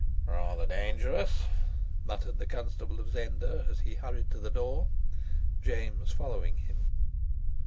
"Rather dangerous!" muttered the Constable of Zenda as he hurried to the door, James following him.